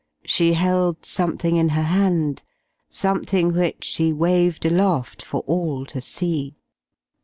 She held something in her hand, something which she waved aloft for all to see.